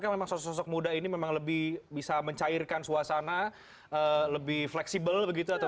memang sosok sosok muda ini memang lebih bisa mencairkan suasana lebih fleksibel begitu atau